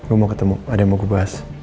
gue mau ketemu ada yang mau gue bahas